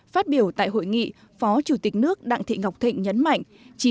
phát biểu tại hội nghị phó chủ tịch nước đặng thị ngọc thịnh nhấn mạnh